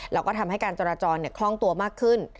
แล้วก็ทำให้การจราจรคล่องตัวมากขึ้น